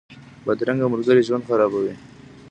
بدرنګه ملګري ژوند خرابوي